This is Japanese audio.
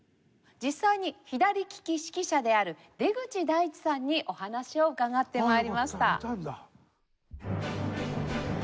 実際に左きき指揮者である出口大地さんにお話を伺って参りました。